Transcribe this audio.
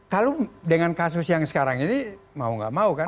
kalau dengan kasus yang sekarang ini mau gak mau kan